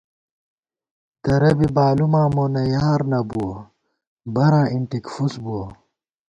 درہ بی بالُماں مونہ یار نہ بُوَہ، براں اِنٹِک فُس بُوَہ